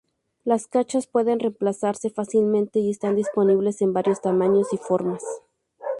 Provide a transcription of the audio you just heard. Las cachas pueden reemplazarse fácilmente y están disponibles en varios tamaños y formas.